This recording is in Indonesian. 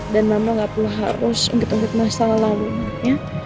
dan mama gak perlu harus menggituk masalah lama ya